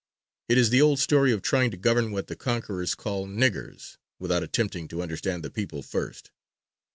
It is the old story of trying to govern what the conquerors call "niggers," without attempting to understand the people first.